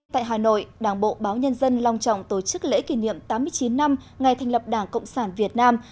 tại hà nội đảng bộ báo nhân dân long trọng tổ chức lễ kỷ niệm tám mươi chín năm ngày thành lập đảng cộng sản việt nam